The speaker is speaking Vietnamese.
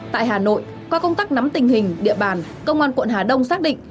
tại hà nội qua công tác nắm tình hình địa bàn công an quận hà đông xác định